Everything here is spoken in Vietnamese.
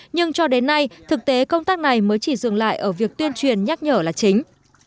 nhưng cho đến nay thực tế công tác này mới chỉ dừng lại ở việc tuyên truyền nhắc nhở là chính